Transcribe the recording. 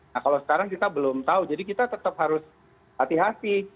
nah kalau sekarang kita belum tahu jadi kita tetap harus hati hati